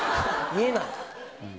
見えない。